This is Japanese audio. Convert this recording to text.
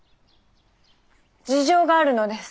事情があるのです。